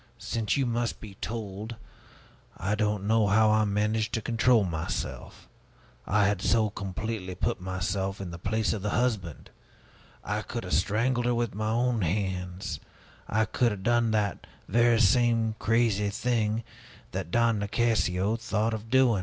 since you must be told I don't know how I managed to control myself I had so completely put myself in the place of the husband! I could have strangled her with my own hands! I could have done that very same crazy thing that Don Nicasio thought of doing!"